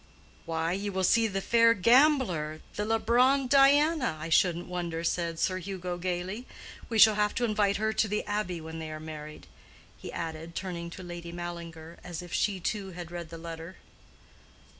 "Why, you will see the fair gambler, the Leubronn Diana, I shouldn't wonder," said Sir Hugo, gaily. "We shall have to invite her to the Abbey, when they are married," he added, turning to Lady Mallinger, as if she too had read the letter.